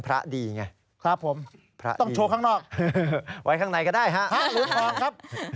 ภาพหรือทองครับ